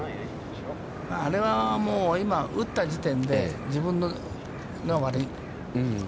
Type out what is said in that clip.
あれはもう打った時点でが悪い。